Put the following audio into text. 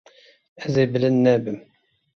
Ez ê bilind nebim.